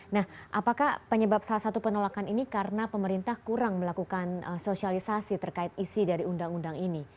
nah apakah penyebab salah satu penolakan ini karena pemerintah kurang melakukan sosialisasi terkait isi dari undang undang ini